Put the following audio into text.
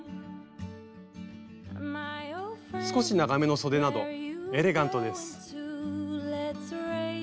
少し長めのそでなどエレガントです。